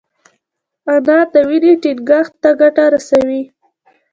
انار د وینې ټينګښت ته ګټه رسوي.